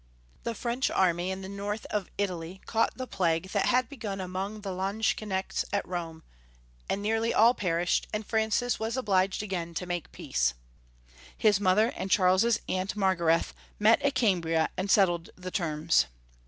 The French army in the north of Italy caught the plague that had begun among the landsknechts at Rome, and nearly all perished, and Francis was obliged again to make peace* His mother and Charles's aunt Margarethe met at Cambria and settled the terms.